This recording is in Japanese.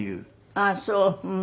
ああそう。